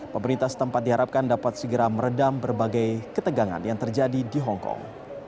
pemerintah setempat diharapkan dapat segera meredam berbagai ketegangan yang terjadi di hongkong